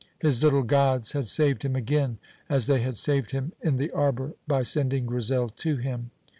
His little gods had saved him again, as they had saved him in the arbour by sending Grizel to him.